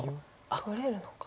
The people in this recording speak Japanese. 取れるのか。